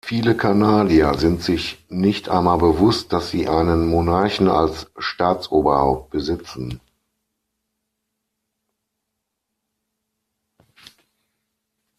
Viele Kanadier sind sich nicht einmal bewusst, dass sie einen Monarchen als Staatsoberhaupt besitzen.